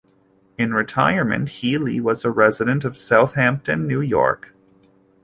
In retirement, Healey was a resident of Southampton, New York.